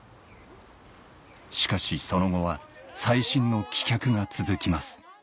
しかしその後は再審の棄却が続きます